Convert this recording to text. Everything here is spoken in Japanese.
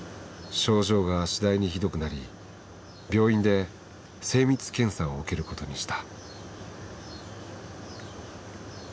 症状が次第にひどくなり病院で精密検査を受けることにした。